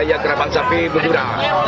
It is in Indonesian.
budaya karapan sapi madura